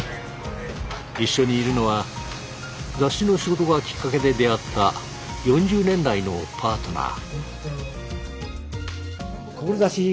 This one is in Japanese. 一緒にいるのは雑誌の仕事がきっかけで出会った４０年来のパートナー。